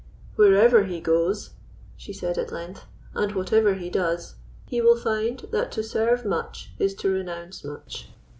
"Wherever he goes," she said at length, "and whatever he does, he will find that to serve much is to renounce much.